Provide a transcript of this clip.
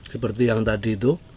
seperti yang tadi itu